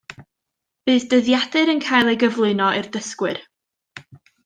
Bydd dyddiadur yn cael ei gyflwyno i'r dysgwyr